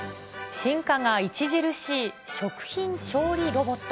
進化が著しい食品調理ロボット。